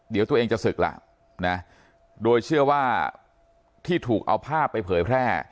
เดี๋ยวตัวเองจะศึกล่ะนะโดยเชื่อว่าที่ถูกเอาภาพไปเผยแพร่